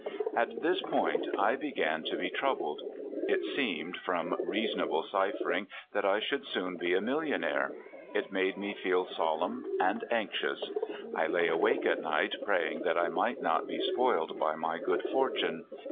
At this point I began to be troubled. It seemed, from reasonable ciphering, that I should soon be a millionaire. It made me feel solemn and anxious. . I lay awake at night, praying that I might not be spoiled by my good fortune.